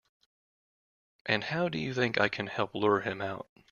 And how do you think I can help lure him out?